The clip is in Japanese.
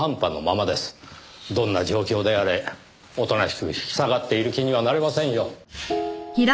どんな状況であれおとなしく引き下がっている気にはなれませんよ。